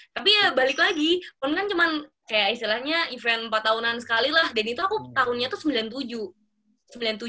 tapi ya balik lagi online kan cuma kayak istilahnya event empat tahunan sekali lah dan itu aku tahunnya tuh sembilan puluh tujuh